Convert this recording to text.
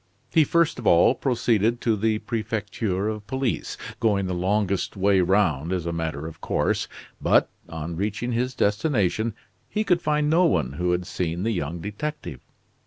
He first of all proceeded to the Prefecture of Police, going the longest way round as a matter of course, but, on reaching his destination, he could find no one who had seen the young detective.